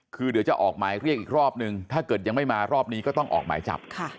คือเดี๋ยวจะออกหมายเรียกอีกรอบนึงถ้าเกิดยังไม่มารอบนี้ก็ต้องออกหมายจับ